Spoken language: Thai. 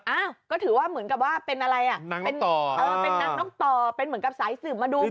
อ้าวก็ถือว่าเหมือนกับว่าเป็นอะไรอ่ะเป็นนักนกต่อเป็นเหมือนกับสายสืบมาดู